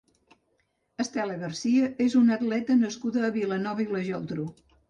Estela García és una atleta nascuda a Vilanova i la Geltrú.